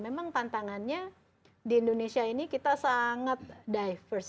memang tantangannya di indonesia ini kita sangat diverse